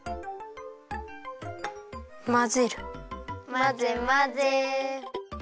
まぜまぜ。